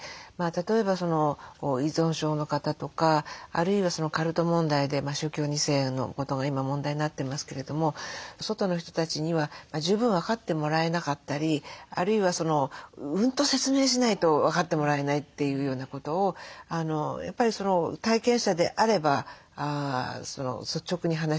例えば依存症の方とかあるいはカルト問題で宗教２世のことが今問題になってますけれども外の人たちには十分分かってもらえなかったりあるいはうんと説明しないと分かってもらえないというようなことをやっぱり体験者であれば率直に話し合えるとかですね